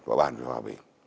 một cái bàn về hòa bình